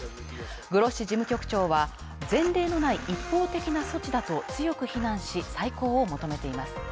グロッシ事務局長は、前例のない一方的な措置だと強く非難し、再考を求めています。